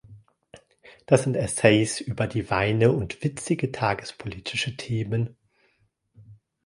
Das sind Essays über die Weine und witzige tagespolitische Themen.